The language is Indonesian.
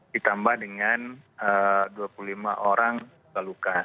ditambah dengan dua puluh lima orang luka luka